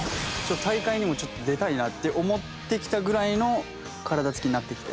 大会にもちょっと出たいなって思ってきたぐらいの体つきになってきて。